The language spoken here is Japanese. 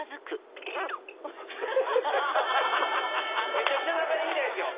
めちゃくちゃ仲いいみたいですよ。